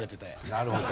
なるほど。